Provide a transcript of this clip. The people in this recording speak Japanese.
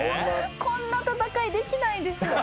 こんな戦いできないです。